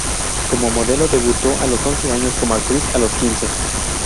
Como modelo debutó a los once años, como actriz a los quince.